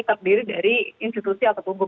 terdiri dari institusi atau tubuh